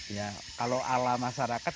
kalau ala masyarakat